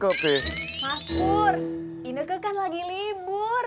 mas pur ineke kan lagi libur